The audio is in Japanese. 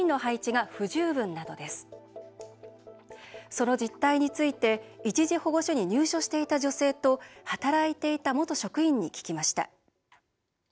その実態について一時保護所に入所していた女性と働いていた元職員に聞きました。